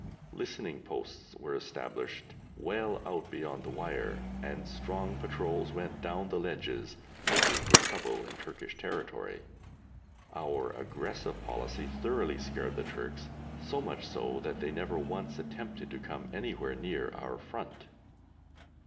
Listening posts were established well out beyond the wire, and strong patrols went down the ledges looking for trouble in Turkish territory. Our aggressive policy thoroughly scared the Turks, so much so that they never once attempted to come anywhere near our front.